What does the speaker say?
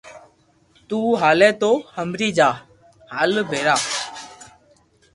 تو ھالي تو ھمبري جا ھالو ڀيرا